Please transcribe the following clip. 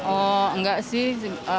oh enggak sih